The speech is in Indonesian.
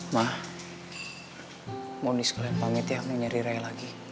ma muni sekalian pamit ya aku mau nyari raya lagi